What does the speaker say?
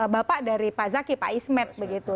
bapak dari pak zaky pak ismet